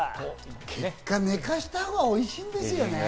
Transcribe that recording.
結果、寝かしたほうがおいしんですよね。